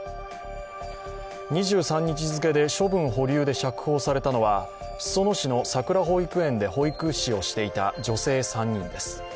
２３日付けで処分保留で釈放されたのは裾野市のさくら保育園で保育士をしていた女性３人です。